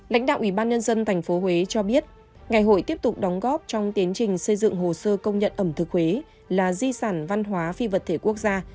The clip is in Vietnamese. lãnh đạo ubnd tp huế cho biết ngày hội tiếp tục đóng góp trong tiến trình xây dựng hồ sơ công nhận ẩm thực huế là di sản văn hóa phi vật thể quốc gia